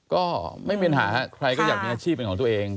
ก็ไม่มีปัญหาใครก็อยากมีอาชีพเป็นของตัวเอง